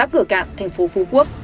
cạn tp phú quốc